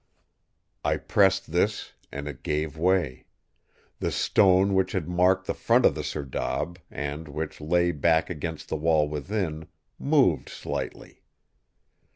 "I pressed this, and it gave way. The stone which had marked the front of the serdab, and which lay back against the wall within, moved slightly.